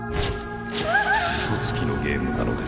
嘘つきのゲームなのです